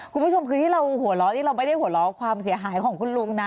คุณผู้ชมคือที่เราหัวเราะนี่เราไม่ได้หัวเราะความเสียหายของคุณลุงนะ